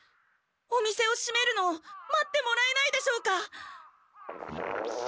お店をしめるのを待ってもらえないでしょうか？